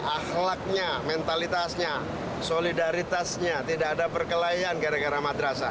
akhlaknya mentalitasnya solidaritasnya tidak ada perkelahian gara gara madrasah